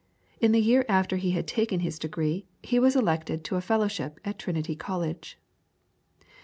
In the year after he had taken his degree he was elected to a Fellowship at Trinity College.